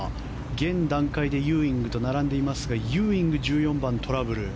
現段階でユーイングと並んでいますがユーイング、１４番トラブル。